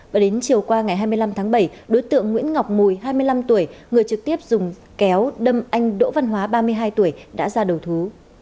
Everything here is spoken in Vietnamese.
và đến chiều qua ngày hai mươi năm tháng bảy đối tượng nguyễn ngọc mùi hai mươi năm tuổi người trực tiếp dùng kéo đâm anh đỗ văn hóa ba mươi hai tuổi đã ra đầu thú